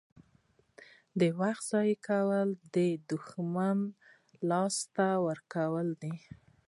• د وخت ضایع کول د شتمنۍ له لاسه ورکول دي.